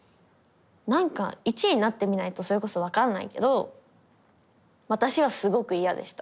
なんか１位になってみないとそれこそ分からないけど私はすごく嫌でした